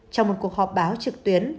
trong một cuộc họp báo trực tuyến